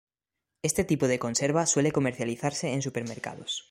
Este tipo de conserva suele comercializarse en supermercados.